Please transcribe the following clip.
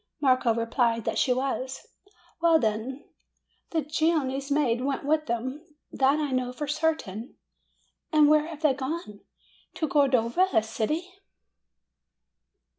Marco replied that she was. "Well, then, the Genoese maid went with them; that I know for certain." "And where have they gone?" "To Cordova, a city."